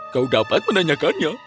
kau dapat menanyakannya